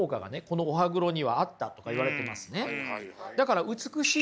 このお歯黒にはあったとかいわれてますね。